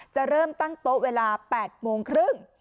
จะเริ่มตั้งโต๊ะเวลา๘โมงครึ่ง